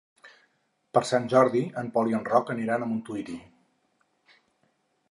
Per Sant Jordi en Pol i en Roc aniran a Montuïri.